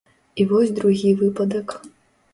І вось другі выпадак.